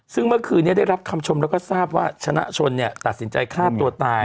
ซึ่งเมื่อคืนนี้ได้รับคำชมแล้วก็ทราบว่าชนะชนตัดสินใจฆ่าตัวตาย